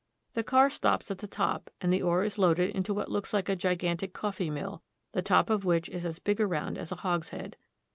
The car stops at the top, and the ore is loaded into what looks like a gigantic coffee mill, the top of which is as big around as a hogshead.